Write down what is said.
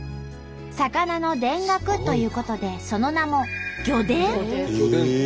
魚の田楽ということでその名も「魚でん」！